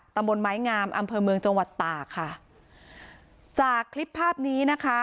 ตำบลไม้งามอำเภอเมืองจังหวัดตากค่ะจากคลิปภาพนี้นะคะ